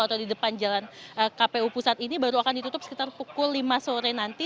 atau di depan jalan kpu pusat ini baru akan ditutup sekitar pukul lima sore nanti